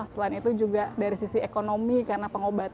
selain itu juga dari sisi ekonomi karena pengobatan